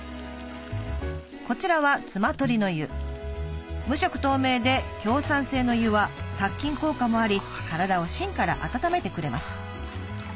こちらは嬬取の湯無色透明で強酸性の湯は殺菌効果もあり体を芯から温めてくれます